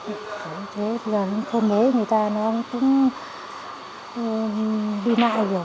thế giờ thôn mế người ta nó cũng đi lại rồi